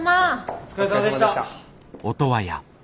お疲れさまでした。